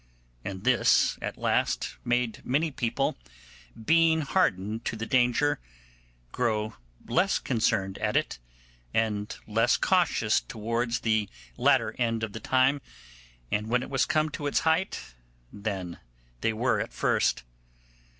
And this at last made many people, being hardened to the danger, grow less concerned at it; and less cautious towards the latter end of the time, and when it was come to its height, than they were at first.